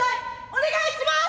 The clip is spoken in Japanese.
「お願いします